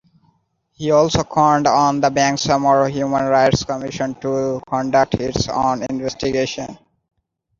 He also called on the Bangsamoro Human Rights Commission to conduct its own investigation.